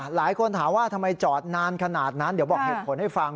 หลายคนถามว่าทำไมจอดนานขนาดนั้นเดี๋ยวบอกเหตุผลให้ฟัง